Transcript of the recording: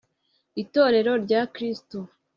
Itorero rya Kristo